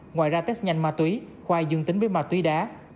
ngoài ra test nhanh ma túy khoai dương tính với ma túy đá